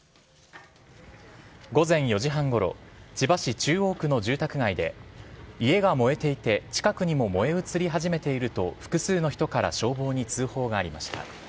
午前４時半ごろ、千葉市中央区の住宅街で、家が燃えていて、近くにも燃え移り始めていると、複数の人から消防に通報がありました。